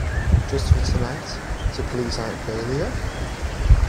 Just for tonight, to please Aunt Dahlia?